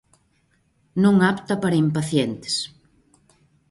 Non apta para impacientes.